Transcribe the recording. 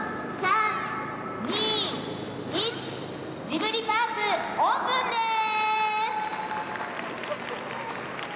ジブリパーク、オープンです。